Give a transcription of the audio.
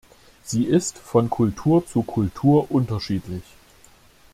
Sie ist von Kultur zu Kultur unterschiedlich.